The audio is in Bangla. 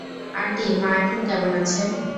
আন্টি, মা এখন কেমন আছে?